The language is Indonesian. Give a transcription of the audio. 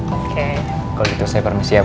oke kalau gitu saya permisi ya bu